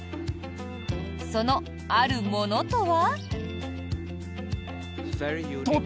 そのあるものとは？